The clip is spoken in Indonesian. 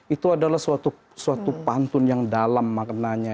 itu adalah suatu pantun yang dalam maknanya